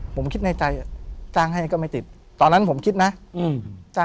ผมคิดในใจจ้างให้ก็ไม่ติดตอนนั้นผมคิดนะอืมจ้าง